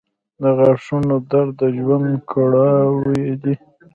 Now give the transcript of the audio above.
• د غاښونو درد د ژوند کړاو دی.